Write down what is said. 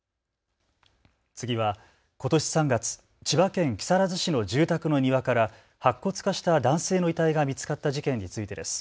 次は、ことし３月、千葉県木更津市の住宅の庭から白骨化した男性の遺体が見つかった事件についてです。